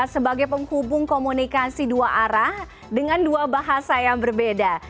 sebagai penghubung komunikasi dua arah dengan dua bahasa yang berbeda